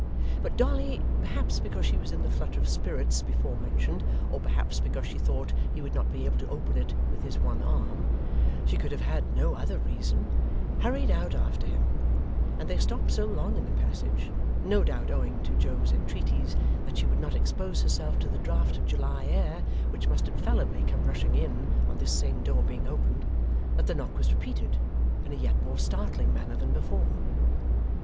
But Dolly, perhaps because she was in the flutter of spirits before mentioned, or perhaps because she thought he would not be able to open it with his one arm she could have had no other reason hurried out after him; and they stopped so long in the passage no doubt owing to Joe's entreaties that she would not expose herself to the draught of July air which must infallibly come rushing in on this same door being opened that the knock was repeated, in a yet more startling manner than before.